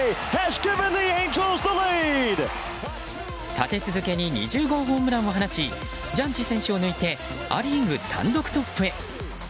立て続けに２０号ホームランを放ちジャッジ選手を抜いてア・リーグ単独トップへ。